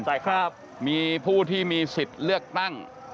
ใช่ครับมีผู้ที่มีสิทธิ์เลือกตั้ง